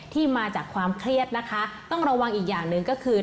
ที่มาจากความเครียดนะคะต้องระวังอีกอย่างหนึ่งก็คือ